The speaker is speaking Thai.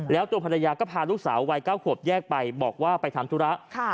แล้วตัวภรรยาก็พาลูกสาววัย๙ขวบแยกไปบอกว่าไปทำธุระ